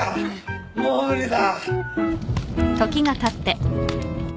もう無理だ。